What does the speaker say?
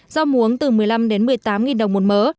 rau muống từ một mươi năm một mươi tám đồng một mớ